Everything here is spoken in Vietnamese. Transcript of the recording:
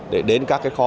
để đến các nơi khác